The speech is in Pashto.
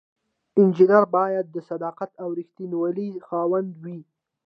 انجینر باید د صداقت او ریښتینولی خاوند وي.